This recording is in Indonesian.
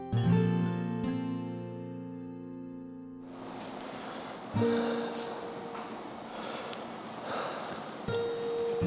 kayaknya kita bisa berbual